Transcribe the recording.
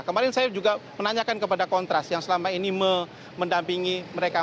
kemarin saya juga menanyakan kepada kontras yang selama ini mendampingi mereka